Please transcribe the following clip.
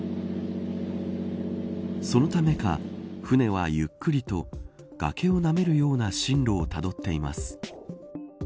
そのためか、船はゆっくりと崖をなめるような進路をたどっています。